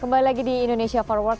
kembali lagi di indonesia forward